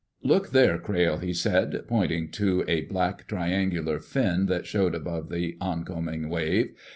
"Look there, Crayle," he said, pointing to a black triangular fin that showed above the oncoming wave.